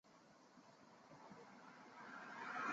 新科普是荷兰南荷兰省的一个基层政权。